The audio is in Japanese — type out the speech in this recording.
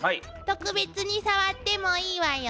特別に触ってもいいわよ。